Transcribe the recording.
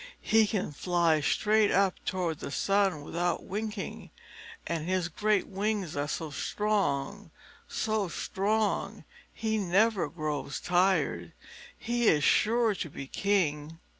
He can fly straight up toward the sun without winking, and his great wings are so strong, so strong! He never grows tired. He is sure to be king."